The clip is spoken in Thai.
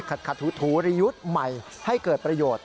ถูริยุทธ์ใหม่ให้เกิดประโยชน์